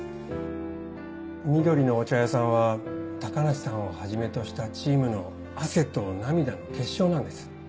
「緑のお茶屋さん」は高梨さんをはじめとしたチームの汗と涙の結晶なんです。